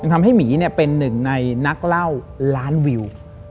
ทำให้หมีเป็นหนึ่งในนักเล่าล้านวิว